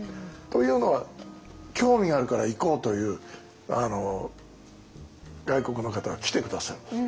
というのは興味があるから行こうという外国の方が来て下さる。